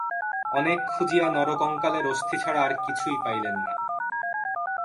অনেক খুঁজিয়া নরকঙ্কালের অস্থি ছাড়া আর কিছুই পাইলেন না।